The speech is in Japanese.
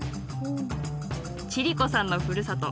千里子さんのふるさと